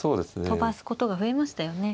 飛ばすことが増えましたよね。